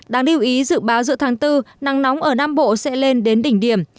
đáng lưu ý dự báo giữa tháng bốn nắng nóng ở nam bộ sẽ lên đến đỉnh điểm